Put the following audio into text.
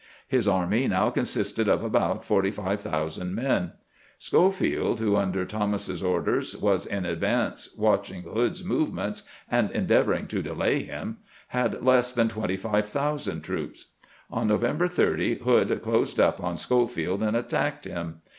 His army now consisted of about 45,000 men, Schofield, who, under Thomas's orders, was in advance watching Hood's movements and endeavoring to delay him, had less than 25,000 troops. On November 30 Hood closed up on Schofield and attacked him.